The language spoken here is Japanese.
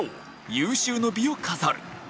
有終の美を飾る